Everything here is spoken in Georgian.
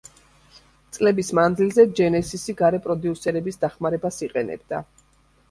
წლების მანძილზე ჯენესისი გარე პროდიუსერების დახმარებას იყენებდა.